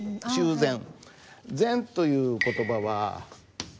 「繕」という言葉は。